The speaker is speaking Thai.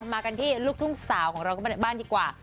มากันที่ลูกทุ่งสาวของเราก็บ้านดีกว่า